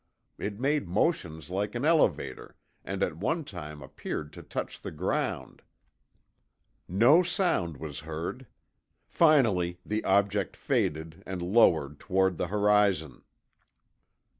It made motions like an elevator and at one time appeared to touch the ground. No sound was heard. Finally, the object faded and lowered toward the horizon."